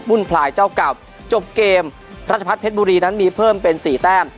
พลายเจ้าเก่าจบเกมรัชพัฒนเพชรบุรีนั้นมีเพิ่มเป็นสี่แต้ม